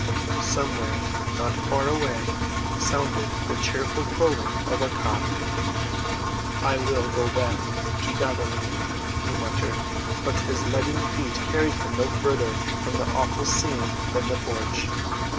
Somewhere, not far away, sounded the cheerful crowing of a cock. "I will go back to Galilee," he muttered. But his leaden feet carried him no farther from the awful scene than the porch.